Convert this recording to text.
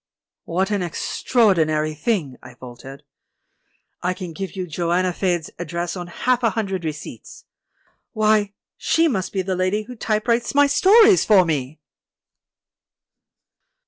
"What an extraordinary thing!" I faltered. "I can give you 'Joanna Faed's' address on half a hundred receipts. Why, she must be the lady who typewrites my stories for me!"